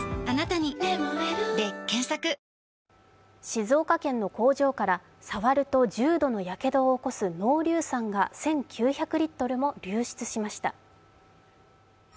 静岡県の工場から、触ると重度のやけどを起こす濃硫酸が１９００リットルも流出しました。